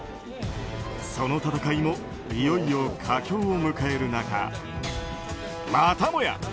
その戦いもいよいよ佳境を迎える中またもや